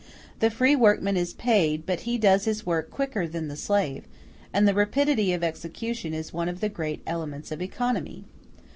The free workman is paid, but he does his work quicker than the slave, and rapidity of execution is one of the great elements of economy.